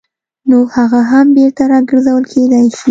نو هغه هم بېرته راګرځول کېدای شي.